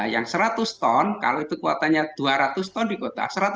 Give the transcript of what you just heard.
yang seratus ton kalau itu kuotanya dua ratus ton di kota